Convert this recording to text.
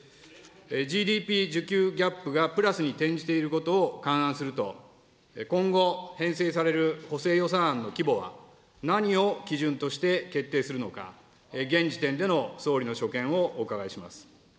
ＧＤＰ需給ギャップがプラスに転じていることを勘案すると、今後、編成される補正予算案の規模は何を基準として決定するのか、現時点での総理の所見をお伺いします。